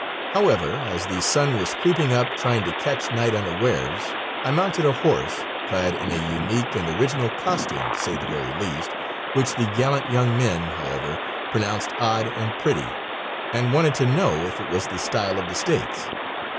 However, as the sun was creeping up trying to catch night unawares, I mounted a horse, clad in a unique and original costume, to say the very least, which the gallant young men, however, pronounced odd and pretty, and wanted to know if it was the style of the States.